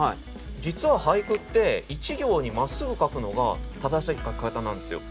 実は俳句って一行にまっすぐ書くのが正しい書き方なんですよ。